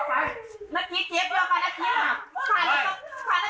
ไอพี่ทิคหลักฐานโชว์แหละ